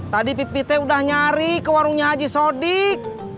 tadi pipit udah nyari ke warungnya haji sodik